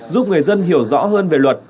giúp người dân hiểu rõ hơn về luật